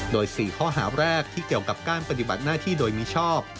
โดย๔ข้อหาแรกที่เกี่ยวกับการปฏิบัติหน้าที่โดยมิชอบ